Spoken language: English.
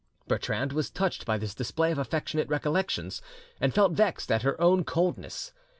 Bertrande was touched by this display of affectionate recollections, and felt vexed at her own coldness.